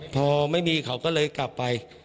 พอไม่มีเขาก็เลยกลับไป